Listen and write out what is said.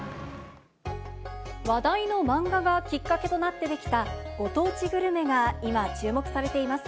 話題の漫画がきっかけとなって出来たご当地グルメが今、注目されています。